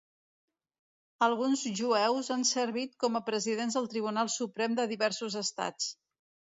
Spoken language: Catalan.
Alguns jueus han servit com a presidents del Tribunal Suprem de diversos estats.